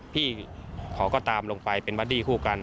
พี่เขาก็ตามลงไปเป็นบัดดี้คู่กัน